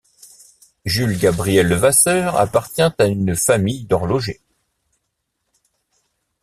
Jules Gabriel Levasseur appartient à une famille d'horlogers.